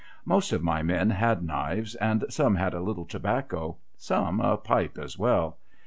Most of my men had knives, and some had a little tobacco : some, a pipe as well.